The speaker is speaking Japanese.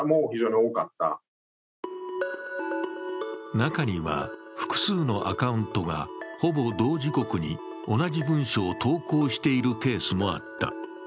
中には複数のアカウントがほぼ同時刻に同じ文章を投稿しているケースもあった。